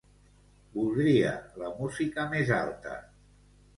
Voldria la música més alta.